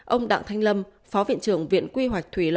ông đặng thanh lâm phó viện trưởng viện quy hoạch thủy lợi